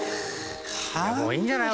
もういいんじゃない？